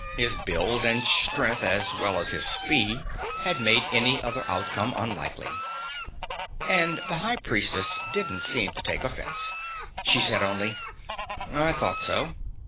His build and strength, as well as his speed, had made any other outcome unlikely. And the High Priestess didn't seem to take offense. She said only: "I thought so.